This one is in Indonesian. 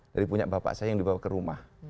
dari punya bapak saya yang dibawa ke rumah